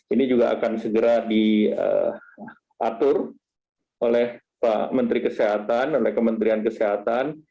ini juga akan segera diatur oleh pak menteri kesehatan oleh kementerian kesehatan